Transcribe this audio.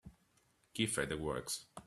Give her the works.